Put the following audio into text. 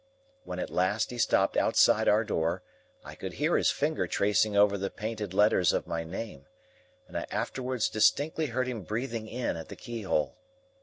When at last he stopped outside our door, I could hear his finger tracing over the painted letters of my name, and I afterwards distinctly heard him breathing in at the keyhole.